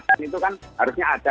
dan itu kan harusnya ada